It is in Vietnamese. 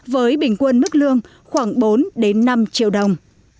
với bình quân mức lương khoảng bốn đến năm triệu đồng